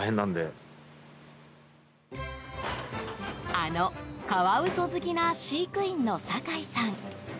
あのカワウソ好きな飼育員の酒井さん。